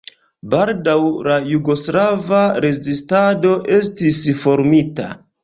Baldaŭ la jugoslava rezistado estis formita.